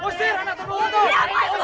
usir anak terburu itu